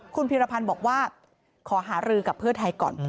คุณพีรพันธ์บอกว่าขอหารือกับเพื่อไทยก่อน